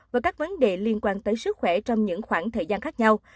và các vấn đề liên quan tới sức khỏe trong những khoảng thời gian khác nhau